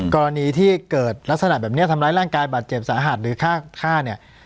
กรณีที่เกิดลักษณะแบบนี้ทำร้ายร่างกายบาดเจ็บสาหัสหรือฆ่าเนี่ย